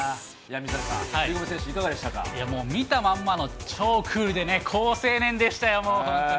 水谷さん、もう見たまんまの、超クールで、好青年でしたよ、もう、本当に。